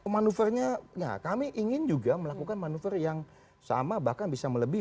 manuvernya ya kami ingin juga melakukan manuver yang sama bahkan bisa melebihi